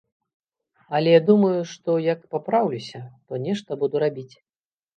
Але думаю, што як папраўлюся, то нешта буду рабіць.